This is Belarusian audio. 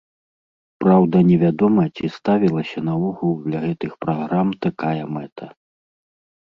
Праўда, не вядома, ці ставілася наогул для гэтых праграм такая мэта.